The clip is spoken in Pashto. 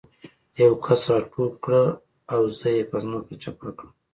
یو کس را ټوپ کړ او زه یې په ځمکه چپه کړم